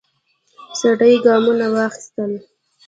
سړی ګامونه واخیستل.